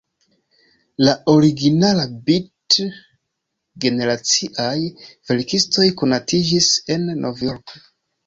La originala "Beat"-generaciaj verkistoj konatiĝis en Novjorko.